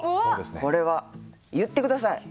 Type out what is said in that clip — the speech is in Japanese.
これは言ってください。